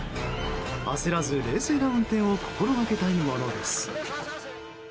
焦らず、冷静な運転を心掛けたいものです。